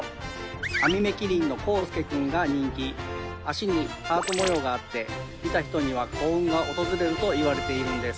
アミメキリンのコウスケくんが人気脚にハート模様があって見た人には幸運が訪れるといわれているんです